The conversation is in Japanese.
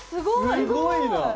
すごいな。